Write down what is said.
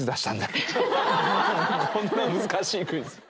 こんな難しいクイズ。